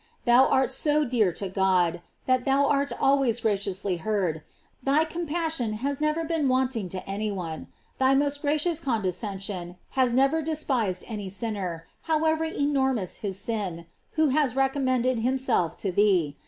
Thou art so dear to God, that thou art always graciously heard; thy compassion has never been wanting to any one; thy most gracious condescension has never de spised any sinner, however enormous his sin, who has recommended himself to thee.